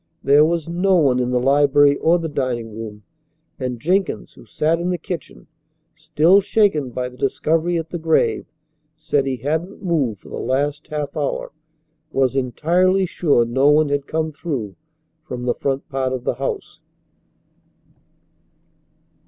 There was no one in the library or the dining room; and Jenkins, who sat in the kitchen, still shaken by the discovery at the grave, said he hadn't moved for the last half hour, was entirely sure no one had come through from the front part of the house.